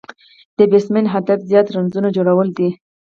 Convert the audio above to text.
د بېټسمېن هدف زیات رنزونه جوړول دي.